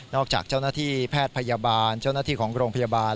จากเจ้าหน้าที่แพทย์พยาบาลเจ้าหน้าที่ของโรงพยาบาล